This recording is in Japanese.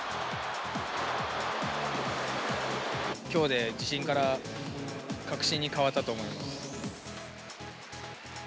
きょうで自信から、確信に変わったと思います。